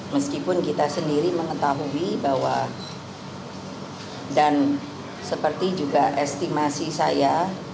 meskipun kita sendiri mengetahui bahwa dan seperti juga estimasi saya